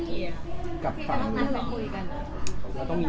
ใช่ให้ผู้ใหญ่ดูแลไปแล้วค่ะให้ผู้ใหญ่ดูแลไปแล้ว